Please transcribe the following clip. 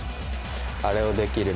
あれをできる。